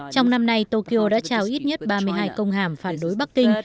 trong năm nay tokyo đã trao ít nhất ba mươi hai công hàm phản đối bắc kinh